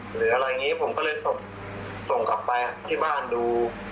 หรืออะไรอย่างนี้ผมก็เลยส่งกลับไปที่บ้านดู